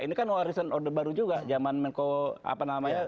ini kan warisan order baru juga zaman menko apa namanya